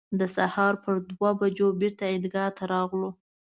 د سهار پر دوه بجو بېرته عیدګاه ته راغلو.